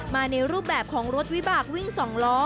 ในรูปแบบของรถวิบากวิ่ง๒ล้อ